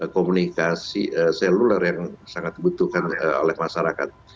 komunikasi seluler yang sangat dibutuhkan oleh masyarakat